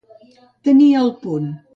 Tenir al punt.